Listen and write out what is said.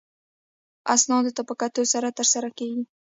اسنادو ته په کتو سره ترسره کیږي.